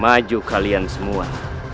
maju kalian semua